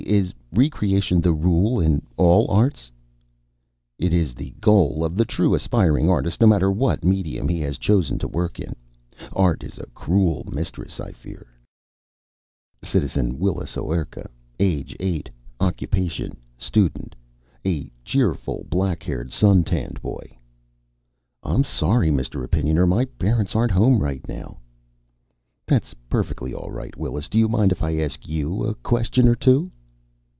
Is re creation the rule in all the arts?" "It is the goal of the true aspiring artist, no matter what medium he has chosen to work in. Art is a cruel mistress, I fear." (Citizen Willis Ouerka, age 8, occupation student. A cheerful, black haired, sun tanned boy.) "I'm sorry, Mr. Opinioner, my parents aren't home right now." "That's perfectly all right, Willis. Do you mind if I ask you a question or two?"